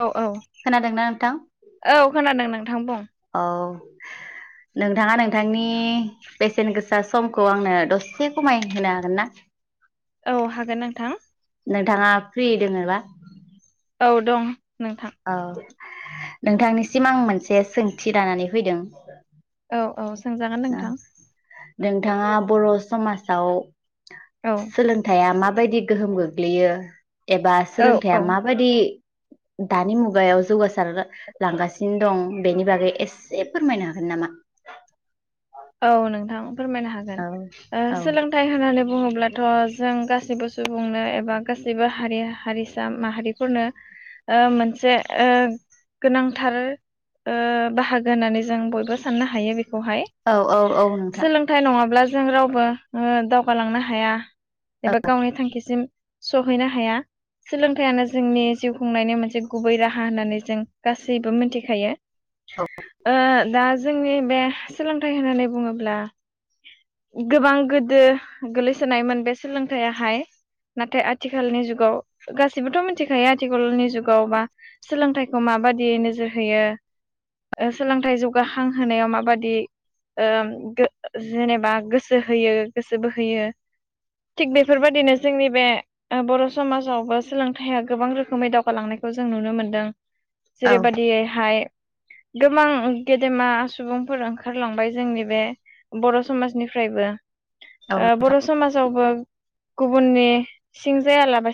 औ औ खोनादोंना नोंथां औ खोनादों नों थां बुं औ नोंथाङा नोंथांनि बेसेनो गोसा आसा समखौ आंनो दसे खमाय होनो हागोन ना? औ हागोन नोंथां नोंथाङा फ्रि दोङोबा? औ दं नोंथां औ नोंथांनिसिम आं मोनसे सोंथि लानानै फैदों। औ औ सोंजागोन औ नोंथां नोंथाङा बर' समाजाव औ सोलोंथाइया माबायदि गोहोम गोग्लैयो एबा औ सोलोंथाइया औ माबायदि दानि मुगायाव जौगा सार लांगासिनो दं बेनि बागै एसे फोरमायनो हागोन नामा? औ नोंथां फोरमायनो हागोन औ ओ औ सोलोंथाइ होननानै बुङोब्ला थ' जों गासैबो सुबुंनो एबा गाैबो हारि हारिसा माहारिफोरनो ओ मोनसे ओ गोनांथार बाहागो होननानै जों बयबो साननो हायो बे बेखौहाय औ औ औ नोंथां। नङाब्ला जों रावबो दावगालांनो हाया एबा गावनि थांखिसिम सहैनो हाया सोलोंथाइयानो जोंनि जिउ खुंनायनि मोनसे गुबै राहा होननानै जों गासैबो मिथिखायो औ ओ दा जोंनि बे थाइ होननानै बुङोब्ला गोबां गोदो गोलैसोनायमोन बे सोलोंथाइयाहाय नाथाय आथिखालनि जुगाव गाैबोथ' मिथिखायो आथिखालनि जुगाव बा सोलोंथाइखौ माबादि नोजोर होयो सोलोंथाइ जौगाखां होनायाव माबादि ओ जेनेबा गोसो होयो गोसो बोहोयो थिग बेफोरबादिनो जोंनि बे बर' समाजावबो सोलोंथाइया गोबां रोखोमै दावगालांनायखौ जों नुनो मोनदों। औ जेरैबायदियैहाय गोबां गेदेमा सुबुंफोर ओं खारलांबाय जोंनि बे बर' समाजनिफ्रायबो औ ओ बर' समाजावबो गुबुननि सिं जायालाबा